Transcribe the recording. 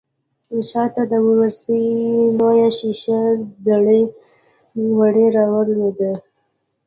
شا ته د ورسۍ لويه شيشه دړې وړې راولوېده.